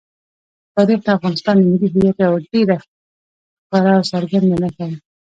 تاریخ د افغانستان د ملي هویت یوه ډېره ښکاره او څرګنده نښه ده.